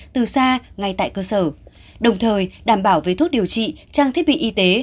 từ xa ngay tại cơ sở đồng thời đảm bảo về thuốc điều trị trang thiết bị y tế